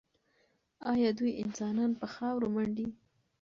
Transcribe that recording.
ایا دوی انسانان په خاورو منډي؟